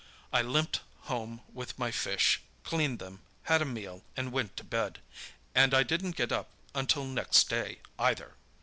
I limped home with my fish, cleaned them, had a meal and went to bed—and I didn't get up until next day, either!